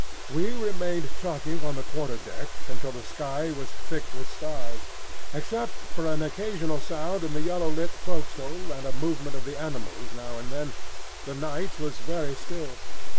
We remained talking on the quarter deck until the sky was thick with stars. Except for an occasional sound in the yellow lit forecastle and a movement of the animals now and then, the night was very still.